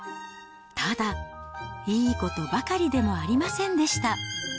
ただ、いいことばかりでもありませんでした。